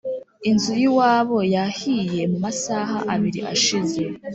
Inzu yiwabo yahiye mumasaaha abiri ashize